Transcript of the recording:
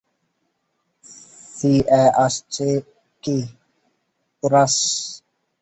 CA আসছে কী, porous!